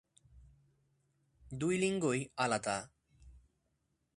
দুই লিঙ্গই আলাদা।